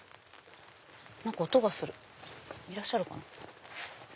何か音がするいらっしゃるかな。